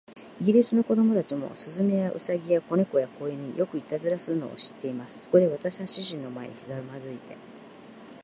イギリスの子供たちも、雀や、兎や、小猫や、小犬に、よくいたずらをするのを知っています。そこで、私は主人の前にひざまずいて